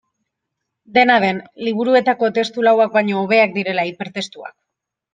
Dena den, liburuetako testu lauak baino hobeak direla hipertestuak.